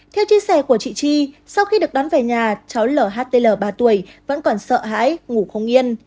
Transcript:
theo chia sẻ của chị chi sau khi được đón về nhà cháu lhtl ba tuổi vẫn còn sợ hãi ngủ không yên